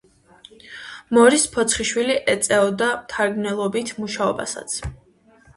მორის ფოცხიშვილი ეწეოდა მთარგმნელობით მუშაობასაც.